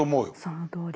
そのとおり。